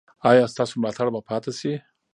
ایا ستاسو ملاتړ به پاتې شي؟